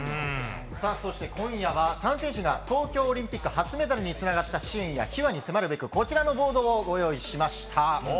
そして今夜は３選手が東京オリンピック初メダルにつながったシーンや秘話に迫るべくこちらのボードをご用意しました。